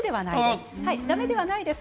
だめではないです。